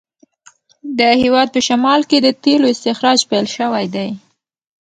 د هیواد په شمال کې د تېلو استخراج پیل شوی دی.